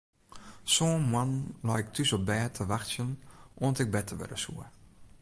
Sân moannen lei ik thús op bêd te wachtsjen oant ik better wurde soe.